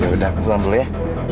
yaudah aku pulang dulu ya